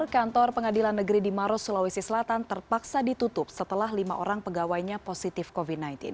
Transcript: kantor pengadilan negeri di maros sulawesi selatan terpaksa ditutup setelah lima orang pegawainya positif covid sembilan belas